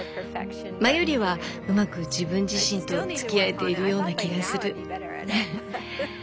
前よりはうまく自分自身とつきあえているような気がする。